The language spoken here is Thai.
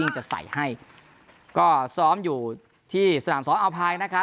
จะใส่ให้ก็ซ้อมอยู่ที่สนามสนามอาวัลไพลนะคะ